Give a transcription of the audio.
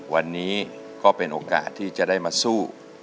วันนี้ก็เป็นโอกาสที่จะได้มาสู้